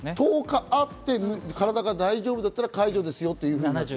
１０日あって体が大丈夫だったら解除ですよって。